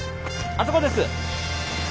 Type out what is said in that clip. あそこです。